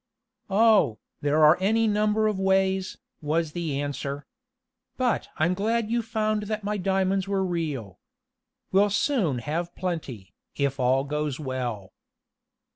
"Oh, there are any number of ways," was the answer. "But I'm glad you found that my diamonds were real. We'll soon have plenty, if all goes well."